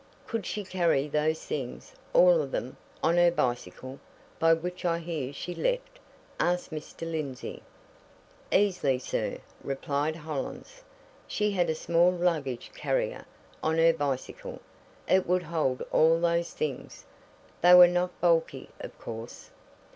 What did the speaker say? "Could she carry those things all of them on her bicycle by which I hear she left?" asked Mr. Lindsey. "Easily, sir," replied Hollins. "She had a small luggage carrier on her bicycle it would hold all those things. They were not bulky, of course."